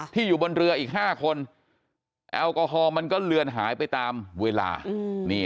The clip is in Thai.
อยู่บนเรืออีก๕คนแอลกอฮอลมันก็เลือนหายไปตามเวลา